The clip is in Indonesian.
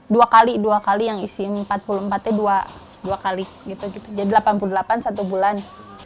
dua kali dua kali yang isi empat puluh empat t dua kali jadi delapan puluh delapan satu bulan